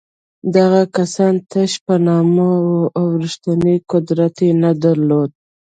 دغه کسان تش په نامه وو او رښتینی قدرت یې نه درلود.